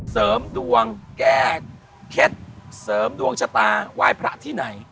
เสริมดวงแก้เคล็ดเสริมดวงชะตาไหว้พระที่ไหน